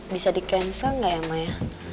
bisa di cancel nggak ya maya